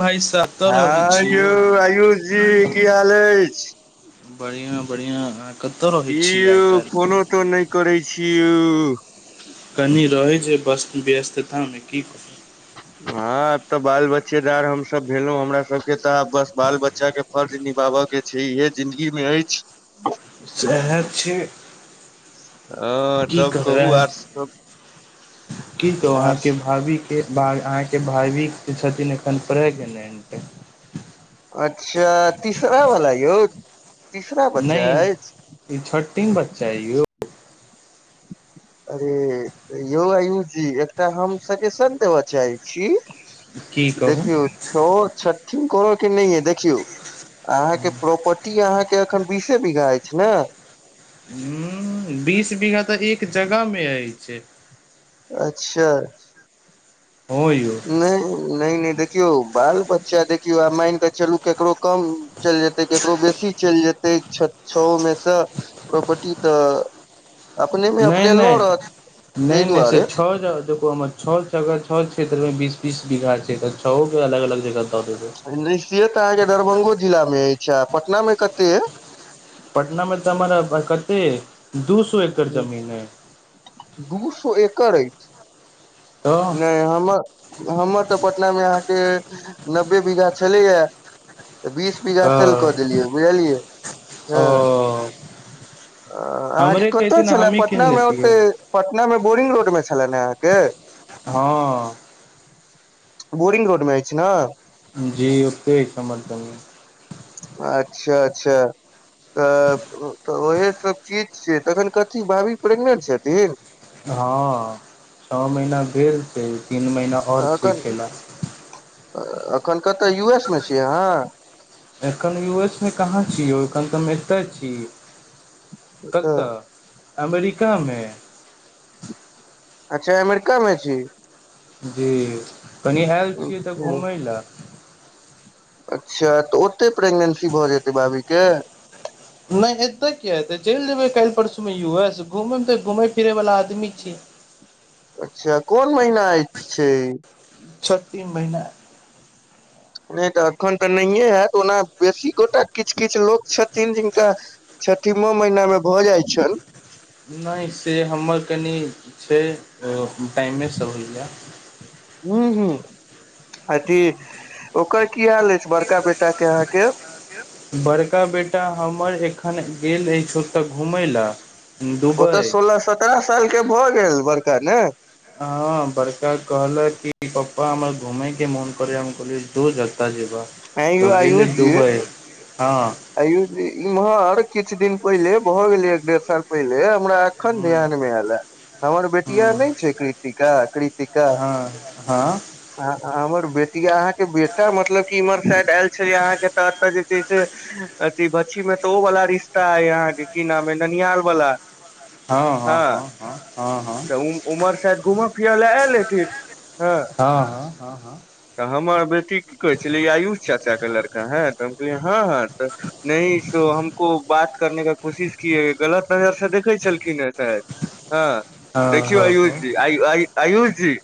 भाइ साहब कतऽ रहै हऽ छी यौ आयुष जी की हाल ऐछ। बड़ियाँ बड़ियाँ कि यौ फोनो तोन नै करै छि यौ। कनि रहै छी बस व्यस्तता में की कहूँ हँ आब तऽ बाल बच्चेदार हम सभ भेलैं हमरा सब केँ तऽ आब बस बाल बच्चा केँ फर्ज निभाब केँ छै है जिन्दगि में ऐछ सैहे छै [unintelligible] हँ की तब कहबै कहू आर सब कि कहौं अहाँ आर केँ भाबी एकबाग अहाँ केँ भाबी जें छथिन एखन प्रेगनेन्ट अच्छा तीसरा बला यौ तीसरा बच्चा नहि ऐछ ई छटिम बच्चा है यौ। अरे यो आयूष जी एकटा हम सजेशन देब चाही छी। की छी [inaudible] कहू देखियौ छ छठिन कर केँ नै यऽ देखियौ। अहाँ केँ प्रॉपर्टी अहाँ केँ एखन बीसें बीघा ऐछ नै हु बीस बीघा तऽ एक जगह में ऐछ। अच्छा हँ यौ। नै नै नै नै देखियौ बाल बच्चा देखियौ आब माइन कऽ चलूँ केकरो कम चैल जेतै केकरो बेसी चैल जेतै छ छओं मेँ स प्रॉपर्टी तऽ अपने में अपने लड़त [inaudible] तै दुआरे। [unintelligible] ओ हमर छ जगह छ क्षेत्र में बींस बींस बीघा छै तऽ छंओ कऽ अलग- अलग जगह दऽ दबै नै से तऽ अहाँ केँ दरभंगो जिला में ऐछ आ पटना में कतै ये पटना में तऽ हमर [unintelligible] हे दू सौ एकड़ जमीन है दू सौ एकड़ ऐछ तऽ नै हमर हमर तऽ पटना मेँ अहाँ केँ नब्बे बीघा छलै यै बीस बीघा सेल कऽ तऽ देलियै बुझलियै [inaudible] हऽ ओ अहाँ केँ हमरे कत कहती ने छलै हमही कीन पटना में ओते लेतियै पटना में बोरिंग रोड में छले न अहाँकेँ हऽ बोरिंग रोड में ऐछ न जी ओते [unintelligible] अच्छ अच्छ तऽ तऽ ओहे सब चीज छियै तखन कथी भाबी प्रेगनेंट छथिन हँ छ महिना भेल छै तीन महीना आओर छै एखन खेला [inaudible] एखन कत यू एस में छीयै अहाँ एखन यू एस में कहाँ छी यौ एखन तऽ हम एतऽ छी कतऽ अमरिका में अच्छ अमरिका में छी। जी कनि हैल छियै एतऽ घुमै लऽ। अच्छा तऽ ओतै प्रेग्नेंसी भऽ जेतैय भाभी के। नय एतय किये हेतै, चलि जेबै काल्हि परसू मेँ यू एस घूमय तऽ घूमै फिरै बला आदमी छियै। अच्छा कोन महीना अछि छै छठी तीन महिना नय तऽ अखन तऽ नहिए हैत ओना बेसी गोटा किछु किछु लोक छथिन जिनका छठिमा महीना मे भऽ जाइ छनि नय से हमर कनि छै टाइमेसँ होए हुँ हुँ अथी ओकर की हाल अछि बड़का बेटाक के अहाँके बड़का बेटा हमर एखन गेल अछि ओतऽ घुमै ले ओ तऽ सोलह सत्ररह साल के भऽ गेल बड़का ने हँ बरका कहल कि पप्पा आर घुमैके मोन करैये हम कहलियै जो जत्तऽ जेबह ऐं यौ तऽ गेलै दुबइ हँ आयो इम्हर किछु दिन पहिले भऽ गेलै एक डेढ़ साल पहिले हमरा अखन हँ ध्यान मे एल ये हमर बेटिया नय छै कृतिका कृ हँ हँ हमर बेटिया अहाँके बेटा मतलब की इम्हर शायद आयल छलै अहाँकेऽ एतऽ जे छै से अथि बचछी मे तऽ ओ वाला रिश्ता हय अहाँके की नाम अय ननिहाल वाला हँ हँ हँ हँ हँ हँ तऽ उम्हर शायद घूमऽ फिर ले आयल हेथिन हँ हँ हँ हँ तऽ हमर बेटी की कहै छेलै ई आयुष चाचा का लड़का है तऽ हम कहलियै हँ हँ तऽ नहि सो हमको बात करने का कोशिश किये गलत नजर से देखै छलखिन हे शायद हँ हँ देखियौ हँ हँ आयुष जी आयुष जी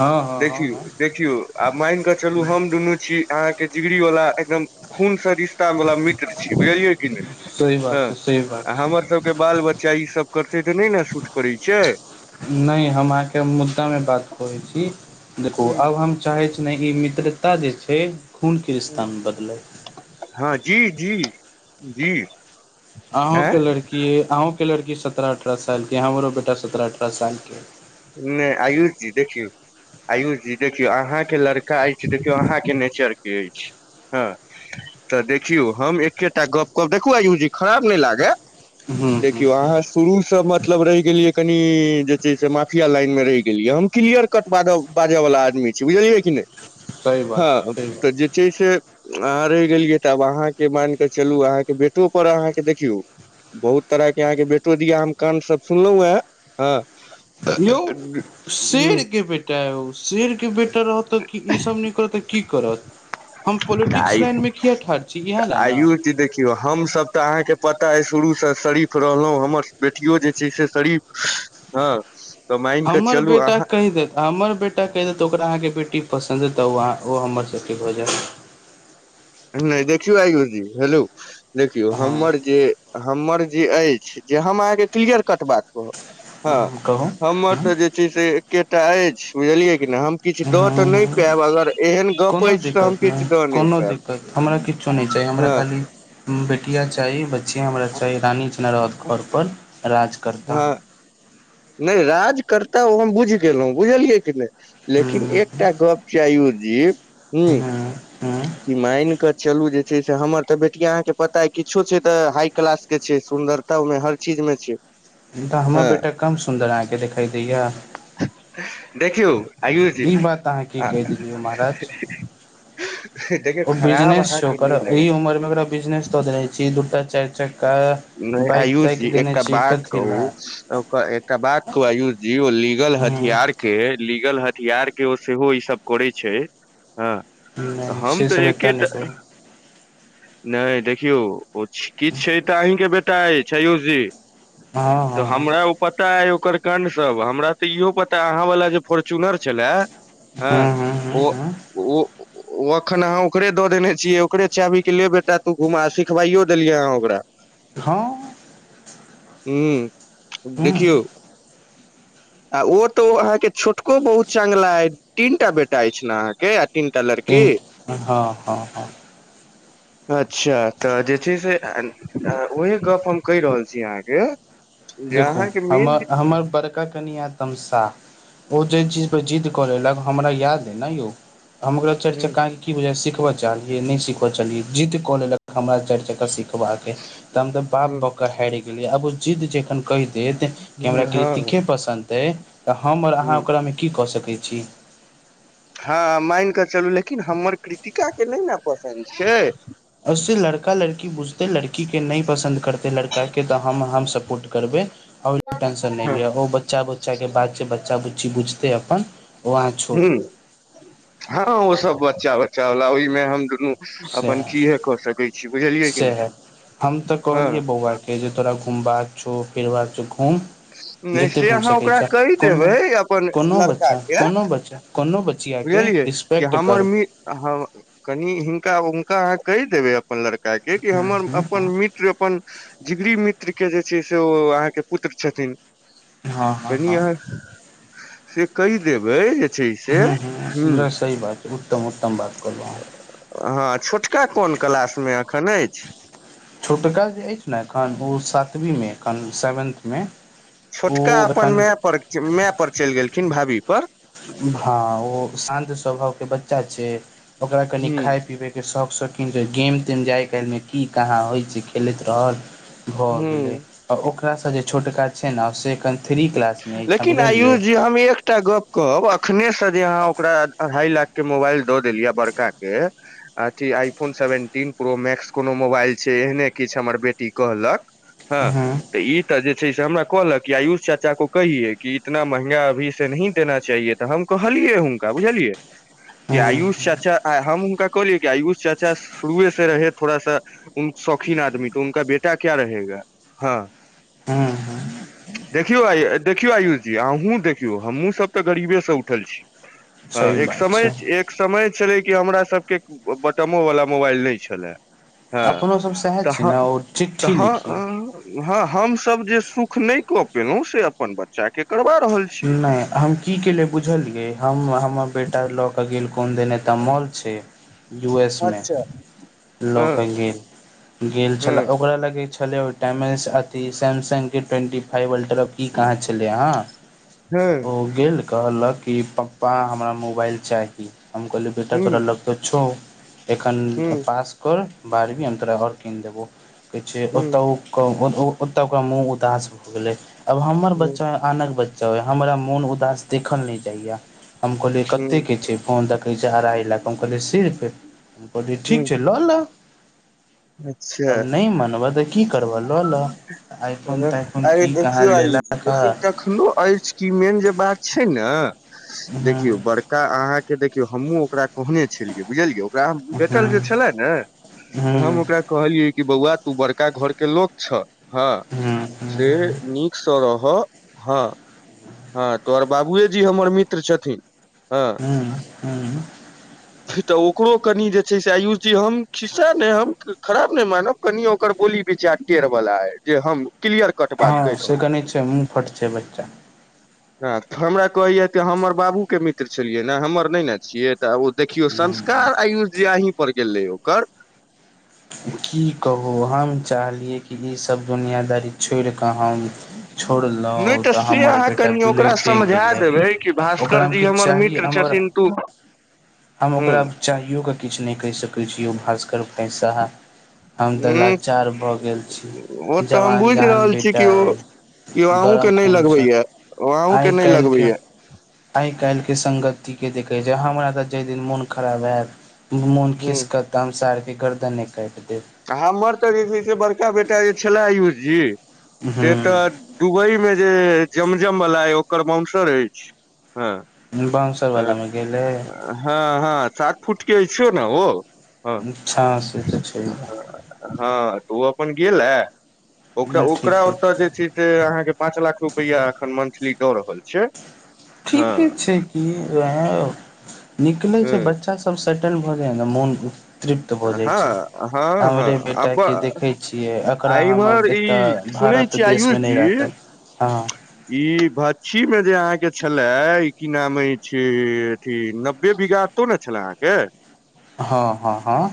हँ हँ हँ हँ देखियौ देखियौ आ मानिकऽ चलु हम दुनू छी अहाँ के जिगरी वाला एकदम खून सँ रिस् वला मित्र छी बुझलियै की नय सही बात हँ छै सही बात आ छै हमर सब बाल बच्चा ई सब करतै तऽ नय न सूट करै छै नय हम अहाँके मुद्दा मे बात करै छी देखू आब हम चाहे छी न ई मित्रता जे छै खून के रिस्ता मे बदलै हँ जी जी जी आँय अहूँके लड़की अहूँके लड़की सत्रह अठारह सालके हमरो बेटा सत्रह अठारह सालके नय आयुष जी देखियौ आयुष जी देखियौ अहाँके लड़का अछि देखियौ अहाँके नेचर के अछि हँ तऽ देखियौ हम एकेटा गप्प कहब देखू आयूष जी खराब नय लागै हूँ हूँ देखियौ अहाँ शुरू से मतलब रहि गेलियै कनि जे छै से मात मुखिया लाइन मे रहि गेलियै हम क्लियर कट बाजय वला आदमी छी बुझलियै की नय सही बात छै, हँ सही बात तऽ जे छै से अहाँ रहि गेलियै तऽ आब अहाँके मानिकऽ चलू अहाँके बेेटो पर अहाँके देखियौ बहुत तरहके अहाँके बेटो दिया हम कांड सब सुनलौं हे हँ, यौ हूँ शेरके बेटा हे उ शेरके बेटा रहतऽ तऽ कि ईसभ नय करत तऽ की करत! हम तऽ पोलिटिक्स आइ लाइनमे किए ठाढ़ छी इहे ले आ ने! यू चीज देखियौ हमसभ तऽ अहाँके पता अइ शुरूसँ शरीफ रहलौं हमर बेटियो जे छै से शरीफ! हँ तऽ मान कऽ हमर चलू बेटा अहाँ कहि देत हमर बेटा कहि दे तऽ ओकरा अहाँकेँ बेटी पसन्द ह तऽ ओ हमर सबके भो जाएत नहि देखौ आई यो इ हेलो देखियो हँ हमर जैय हमर जैय अछि जे हम अहाँके क्लियर कट बात कहब हँ कहूऽ हमर त जे छै से एकेटा अछि बुझलिये कि ने हम किछ द त नैय पायब अगर एहन गप कोनो अछि तऽ हम दिक्कत नैय किछु दऽ नहि कोनो पायब दिक्कत हमरा किछु नैय चाही हमरा हँ खाली बेटिया चाही बच छैय हमरा चाही रानी जैना रहत घर पर राज कारता हँ नहि राजकर्ता ओ हम बुझि गेलहुँ बुझलियै कि नहि! लेकिन हूँ एकटा गप छैय आयुषजी हुम हूँ हूँ कि मान कऽ चलू जे छै से हमर तऽ बेटिया अहाँके पता किछो छै य तऽ हाई क्लास के छै य सुन्दर, ताऊ मैं हर चीज मे छै य तऽ हमर बेटा कम सुन्दर अहाँके देखाई दैया देखौ? आयुष जी ई बात अहाँ की ह्ऽ हऽ कहि देलियै महाराज ओ बिजनेस छैय ओकर नहि लगे यही उमर में ओरा बिजनेस दऽ देे ने छी दूटा चारि चक्का, बाइक नैयआयुष ताइक जी देने एकटा छी बात कथी लए कहूऽ एकटा बात कहू आयूष जी ओ लीगल हथियार हूं के लीगल हथियार के ओ सेहो ई सब? कोरैछै हँ नहि हम से तऽ सब एतऽ नहि एकेटा, करू नैय देखियौ ओ किछ छैय तऽअहीं के बेटा अइछ आयुष जी हँ तऽ हँ हमरा? पता अइ ओकर काण्ड सब हमरा तऽ इहो पता अहाँ वला जे फोर्च्युनर छलाह हहह हाऽ ओऽ ओ अखन अहाँ ओकरे दऽ देने छियै ओकरे चाहबी ले बेटा तू घुमा सिखबाइयो देलियै अहाँ ओकरा! हँऽ हुम्मऽ हूं देखियौ आ ओ तऽ ओअहाँके छोटको बहुत चांगला आइ तीन टा बेटा अछि ने अहाँके आ तीनटा लड़की? हँऽ हँ ऽ अच्छा तऽ जैय छैय ओइ गप हम कहे रहल छी अहाँके? जे देखू अहाँके मेन हमर हमर बड़का कनि हात तमशाह? ओ जे चीज पै जिद्द कलै लक हमरा याद ह न यौ हम ओकरा चैर हूं चक्का कि बुझायासिखबऽ? चाहलीए नैय सिख बऽ चलियै जीद कऽ लेलक हमरा चारि चक्का सिखबाक! त हम तऽ बाप हूं बक हारि गेलियै आब ओ जिद्द जखन कयल देत कि हमरा हूं हँ कृतिके पसन्द अय तऽ हम आओर अहाँ हूं ओकरा मे की कऽ सकैत छी? हँ मान कऽ चलू लेकिन हमर कृतिकाके नैय ना पसन्द छै? ओे लड़का लड़की बुझते लड़की के नैय पसन्द करते लड़का के तऽ हम हम सपोर्ट करबै? आओ टेंशन नैय ह लिअ ओ बच्चा बुच्चाक के बात छै बच्चा बुच्ची बुझते अपन, ओ अहाँ छोड़ हूम हँ ओ सब बच्चा बच्चा बला ओहिमे हम दुनू, सएह अपन किएक कऽ सकैत छी बुझलियै कि नैय हँ! हेजे तोरा घुम बा कऽछौ फरब कऽ छउ घुम, नहि जतेक से घुम अहाँ सकै ओकरा छै कहि कोनो देबै अपन लड़का कोनोबच्चा के कोनो बच्चा कोनो बच्चा बचिया के बुझलियै कि रिस्पेक्ट हमर कर [unintelligible] कनि हि हुनका अहा कहि देबे अपन लड़ कै केँ कि हूँ हमर हूँ अपन मित्र अपन जिगरी मित्र केँ जे छै से ओ अहाँकेँ पुत्र छथिन हँ हँ कनी हँ अहाँ कऽ [inaudible] केह देबै जे छै से हूँ हमरा सही बात छै उत्तम उत्तम बात कहलहुँ अहाँ हऽ छोटका कोन क्लास में कोन क्लास में अखन ऐछ छोटका जे ऐछ ने एखन ओ सातवीं में एखन सेवेन्थ में छोटका अपन मैय पर मैय पर चैल गेलखिन भाबी पर भा ओ शान्त स्वभाव कऽ बच्चा छै ओकरा कनि खाय पिबेक केँ शौक शौकिन जे गेम तेम जे आइ काइल में की कहाँ होइ छै खेलैत रहल भए गेलै हूँ अ ओकरा स जे छोटका छै न से अखन थ्री क्लास लेकिन आयुष जी हम एक एकटा गप कहब अखने से जे अहाँ ओकरा अड़ाई लाख केँ मोबाइल दऽ देलियै बड़का केँ अथी iPhone seventeen pro max कोनो मोबाइल छै एहने किछ हमर बेटी कहलक हँ ई तऽ जे छै से हमरा कहलक कि आयुष चाचा को [unintelligible] तऽ हम कहलियै हुनका बुझलियै कि हँ आयुष चाचा आ हम हुनका कहलियै कि आयुष चाचा शुरुए से रहे थोड़ा सा उन शौकीन आदमी तऽ [unintelligible] [unintelligible] [inaudible] देखियौ आइ देखियौ आयुष जी अहूँ देखियौ हमहूँ सब तऽ गरीबे स उठल छी सही हऽ एक बात समय छै एक समय छलै कि हमरा सब केँ बटमो वाला मोबाइल नै छलै हँ अपनो सब सएह छै तहाँ ने ओ चिट्ठी तहाँ लिखियै [unintelligible] हँ हम सब जे सुख नै कऽ पेलै से अपन बच्चा कऽ करवा रहल छी नै हम की केलिय बुझलियै हम हमर बेटा लऽ कऽ गेल कोन देन तऽ मॉल छै यू एस में [inaudible] लऽ हँ कऽ गेल गेल छलै हँ ओकरा लगै छलै ओ टाइम एस अथी सैमसंग केँ ट्वेन्टी फाइव अल्ट्र की कहाँ छलै हऽ हँ ओ गेल कहलक कि पप्पा हमरा मोबाइल चाही हम कहलियै बेटा ह तोरा लऽ तऽ छौ एखन ह ह पास कर बारबी हम तोरा और कीन देबौ कहै छै ह ओत [unintelligible] ओत ओक मँह उदास भऽ गेलै आब हमर बच्चा आनर बच्चा हमरा मोन उदास देखल न जाइय हम कहलिय कते केँ छै फोन दै कहै छै अड़हाइ लाख हम कहलियै सिर्फ हम कहलिये ह ठीक ह छै लऽ ले अच्छा अब नै मानव तऽ की करव लऽ लऽ आइफोन ताइफोन की कहाँ लेलाक हऽ अखनो एछ की मेन जे बात छै न हूँ देखियौ बड़ का अहाँकेँ देखियौ हमहुँ ओकरा कहनै छलियै बुझलियै ओकरा हूँ भेटल जे हूँ छलै न तऽ हम हूँ ओकरा कहलियै कि बौआ तू बड़का घर केँ लोक छ हँ [unintelligible] से नीक स रह हऽ हऽ तोहर बाबुए जी हमर मित्र छथिन [inaudible] ह हूँ [unintelligible] तऽ ओकरो कनि जे छै से आयुष जी हम खिस्सा नै हम खराब नै मानब कनि ओकर बोली विचार टेड़ बला है जे हम क्लियर कट बात कहि हँ रहल से कनी छै मुँह फट छै बच्चा ह हमरा कहैया त हमर बाबू के मित्र छलियै ने हमर नै ने छियै तऽ ओ देखियौ संस्कार आयुष जी अहीं पर गेलै ओकर की कहू हम चाहलियै कि ईसभ दुनियादारी छोड़ कऽ हम नय छोड़लहुँ तऽ से हमर अहाँ बेटा कनि ओकरा बिलैटे समझा गेलै देबै कि भास्कर ओकरामे जी किछु हमर चाही मित्र हम ओकरा छथिन तो हम ओकरा चाहिओक किछु नय कहि सकै छी ओ भास्कर भाईसाहब हम तऽ हूँ लाचार भऽ गेल ओ छी तऽ हम जवान बुझि जहान रहल छी बेटा कि ओ अय यौ अहूँ के गरम नहि खून छैय लगबैया ओ अहूँ के आइ नहि काईल के लगबैया आइ काईल के संगति के देखे जे हमरा तऽ जई दिन मोन खराब हैत मोन हूँ खिसके त हम सार के गर्दन काइट देब हमर तऽ जे छै से बड़का बेटा जे छलए आयुष जी से तऽ हूँ दुबई मे जे जमजम वला अय ओकर बउनसर ऐछ हँ बाउनसर वाला मे गेले हँ हँ सात फुट के छैय नै ओ हँ निठ्ठा से तऽ छै है हँ तऽ ओ अपन गेलै एय ओकरा नहि ओकरा ठीके ओतऽ जे छै तेह अहाँके पाँच लाख रुपैया अखन मंथली दऽ रहल छै हँ ठीके छै कि निकले छै हँ बच्चा सब सब सेटल भऽ जाएना मोन तृप्त भऽ जाय छै हँ हँ हँ हमरे आ बेटा ब के देखे छियै आ एकरा हम अब इम्हर ऐत ई सुनै भारत त छियै देश में आयुष नई जी राखब हँ ई भऽछी में जे अहाँ के छले ई की नाम अईछ अथी नब्बे बीघा ओतो न छला अहाँके हँ हँ हँ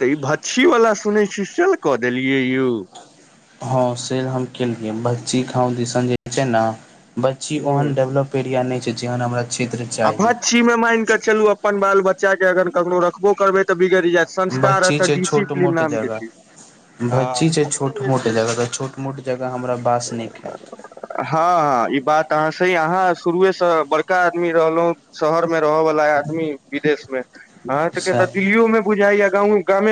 तऽ ई भऽछी वाला सुनै छी सेल कऽ देलियै यौ ह सेल हम केलिये भचछी गांव दिसन जे छै न भचछी ओहन हूँ डेवलॉप ऐरिया नय छै जेहन हमरा क्षेत्र चाही भचछी मे मान केऽ चलू अपन बाल बच्चा के अगर कखनो रखबो करबै तऽ बिगईड़ जायत संस्कार भचछी एतऽ छै छोट डिसिप्लीन मोट नाम के चीज जगह हँ भचछी छै छोट एतऽ जे मोट छै से जगह तऽ ई छोट मोट जगह हमरा बास नय खैत हँ हँ ई बात अहाँ से अहाँ शुरुए स बड़का आदमी रहलो शहर में रह वला आदमी विदेश में अहाँ केतऽ सएह दिल्लियो में बुझाई या गांव गामे